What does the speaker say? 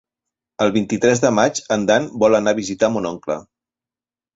El vint-i-tres de maig en Dan vol anar a visitar mon oncle.